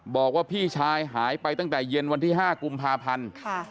บอกว่าพี่ชายหายไปตั้งแต่เย็นวันที่๕กุมภาพันธ์